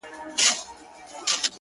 ما د دريم ژوند وه اروا ته سجده وکړه’